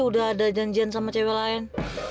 udah ada janjian sama cewek lain